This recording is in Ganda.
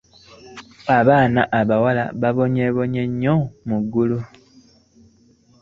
Abaana abawala babonyeebonye nnyo mu muggalo.